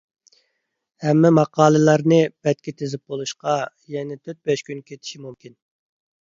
ھەممە ماقالىلەرنى بەتكە تىزىپ بولۇشقا يەنە تۆت-بەش كۈن كېتىشى مۇمكىن.